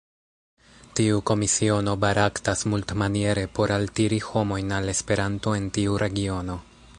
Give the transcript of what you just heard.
Tiu komisiono baraktas multmaniere por altiri homojn al Esperanto en tiu regiono.